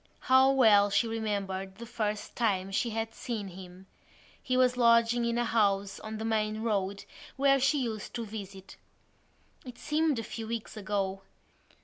How well she remembered the first time she had seen him; he was lodging in a house on the main road where she used to visit. It seemed a few weeks ago.